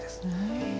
へえ。